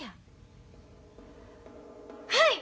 はい！